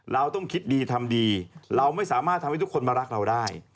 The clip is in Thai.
เราต้องคิดดีทำดีเราไม่สามารถทำให้ทุกคนมารักเราได้